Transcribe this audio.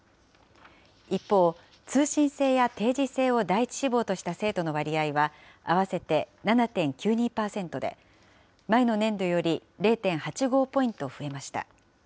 一方、通信制や定時制を第１志望とした生徒の割合は合わせて７．９２％で、前の年度より０．８５ポイント増えました。